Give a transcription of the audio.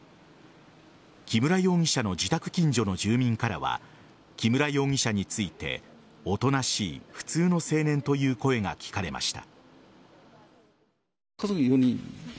木村容疑者の自宅近所の住民からは木村容疑者についておとなしい普通の青年という声が聞かれました。